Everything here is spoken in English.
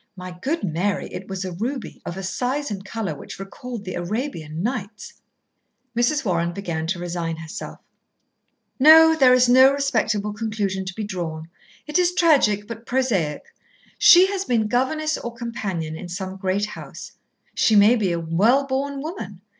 My good Mary, it was a ruby, of a size and colour which recalled the Arabian Nights." Mrs. Warren began to resign herself. "No," she said, "there is no respectable conclusion to be drawn. It is tragic, but prosaic. She has been governess or companion in some great house. She may be a well born woman.